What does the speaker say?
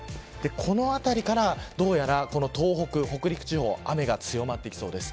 このあたりから、どうやら東北、北陸地方は雨が強まってきそうです。